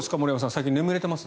最近眠れてます？